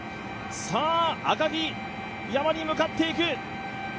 赤城山に向かっていく。